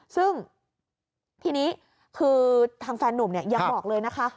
ซึ่งทีนี้คือทางแฟนนุ่มยังบอกเลยนะคะ